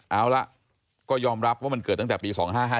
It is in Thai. เอาละก็ยอมรับว่ามันเกิดตั้งแต่ปี๒๕๕